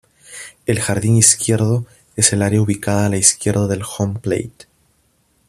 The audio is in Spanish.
El jardín izquierdo es el área ubicada a la izquierda del Home plate.